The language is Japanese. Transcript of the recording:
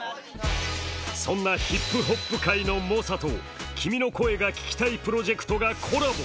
そんなヒップホップ界の猛者と「君の声が聴きたい」プロジェクトがコラボ。